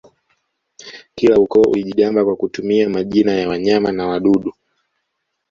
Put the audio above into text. Kila ukoo ulijigamba kwa kutumia majina ya wanyama na wadudu